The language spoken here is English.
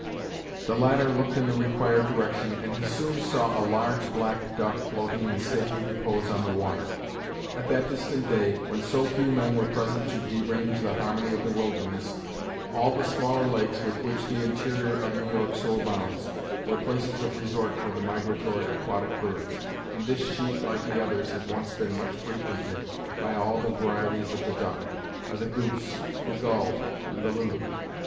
The latter looked in the required direction, and he soon saw a large black duck floating in stately repose on the water. At that distant day, when so few men were present to derange the harmony of the wilderness, all the smaller lakes with which the interior of New York so abounds were places of resort for the migratory aquatic birds, and this sheet like the others had once been much frequented by all the varieties of the duck, by the goose, the gull, and the loon.